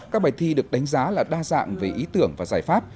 các bài thi được đánh giá là đa dạng về ý tưởng và giải pháp